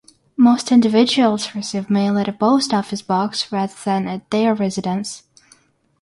Most individuals receive mail at a post office box rather than at their residence.